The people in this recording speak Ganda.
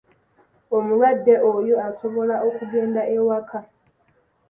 Omulwadde oyo asobola okugenda ewaka.